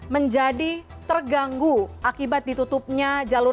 menjadi terganggu akibat ditutupnya jalur